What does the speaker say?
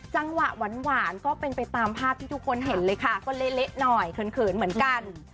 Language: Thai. จังหวะหวานก็เป็นไปตามภาพที่ทุกคนเห็นเลยค่ะก็เละหน่อยเขินเหมือนกัน